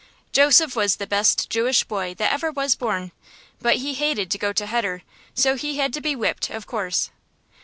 Joseph was the best Jewish boy that ever was born, but he hated to go to heder, so he had to be whipped, of course.